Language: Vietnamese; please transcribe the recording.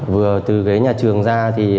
vừa từ nhà trường ra